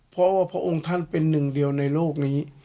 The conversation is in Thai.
เพราะว่าพระองค์ท่านเป็นหนึ่งเดียวในโลกนี้